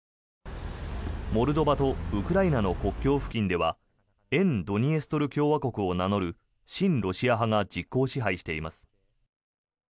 モルドバとウクライナの国境付近では沿ドニエストル共和国を名乗る親ロシア派が実効支配しています。